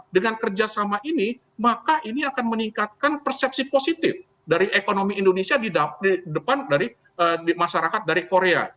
dengan kerjasama ini maka ini akan meningkatkan persepsi positif dari ekonomi indonesia di depan dari masyarakat dari korea